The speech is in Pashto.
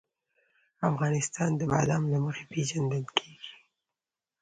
افغانستان د بادام له مخې پېژندل کېږي.